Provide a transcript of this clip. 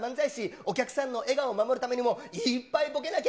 お客さんの笑顔を守るためにも、いっぱいボケなきゃ。